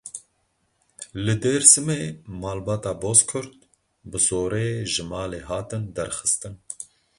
Li Dêrsimê malbata Bozkurt bi zorê ji malê hatin derxistin.